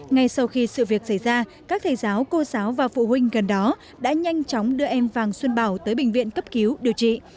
ngay sau khi sự việc xảy ra các thầy giáo cô giáo và phụ huynh gần đó đã nhanh chóng đưa em vàng xuân bảo tới bệnh viện cấp cứu điều trị